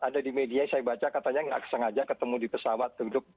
ada di media saya baca katanya nggak sengaja ketemu di pesawat